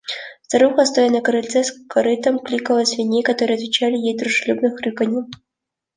Старуха, стоя на крыльце с корытом, кликала свиней, которые отвечали ей дружелюбным хрюканьем.